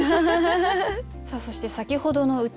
さあそして先ほどの歌